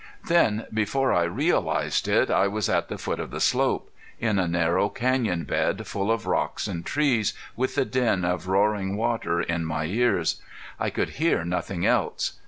Then before I realized it I was at the foot of the slope, in a narrow canyon bed, full of rocks and trees, with the din of roaring water in my ears. I could hear nothing else.